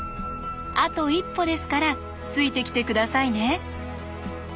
あと一歩ですからついてきて下さいね。